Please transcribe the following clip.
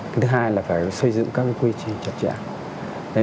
cái thứ hai là phải xây dựng các quy trình chặt chẽ